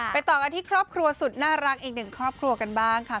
ต่อกันที่ครอบครัวสุดน่ารักอีกหนึ่งครอบครัวกันบ้างค่ะ